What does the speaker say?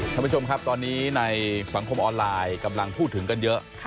ท่านผู้ชมครับตอนนี้ในสังคมออนไลน์กำลังพูดถึงกันเยอะ